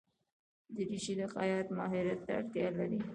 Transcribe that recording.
دریشي د خیاط ماهرت ته اړتیا لري.